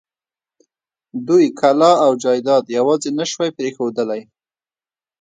دوی کلا او جايداد يواځې نه شوی پرېښودلای.